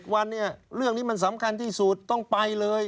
วันเนี่ยเรื่องนี้มันสำคัญที่สุดต้องไปเลย